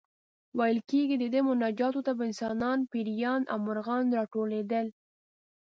ویل کېږي د ده مناجاتو ته به انسانان، پېریان او مرغان راټولېدل.